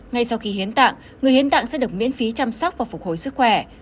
ngay sau khi hiến tạng người hiến tạng sẽ được miễn phí chăm sóc và phục hồi sức khỏe